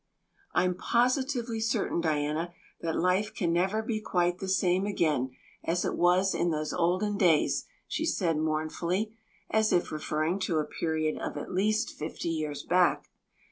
"I'm positively certain, Diana, that life can never be quite the same again as it was in those olden days," she said mournfully, as if referring to a period of at least fifty years back.